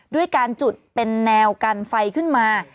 ด้วยการจุดเป็นแนวกันไฟขึ้นมา